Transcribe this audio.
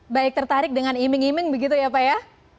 baik tertarik dengan iming iming begitu ya pak ya